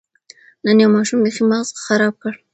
نن یو ماشوم بېخي ماغزه خراب کړ.